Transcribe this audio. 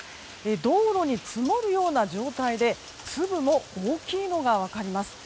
道路に積もるような状態で粒も大きいのが分かります。